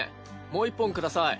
もう一本下さい。